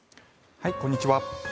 こんにちは。